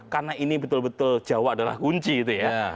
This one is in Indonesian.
karena ini betul betul jawa adalah kunci itu ya